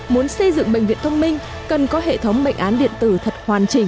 muốn xây dựng bệnh viện thông minh cần có hệ thống bệnh án điện tử thật hoàn chỉnh